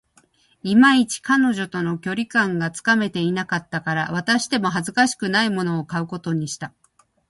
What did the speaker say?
いまいち、彼女との距離感がつかめていなかったから、渡しても恥ずかしくないものを買うことにした